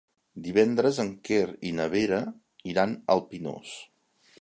Divendres en Quer i na Vera iran al Pinós.